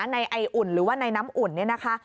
ในไออุ่นหรือว่าในน้ำอุ่นเนี่ยนะคะ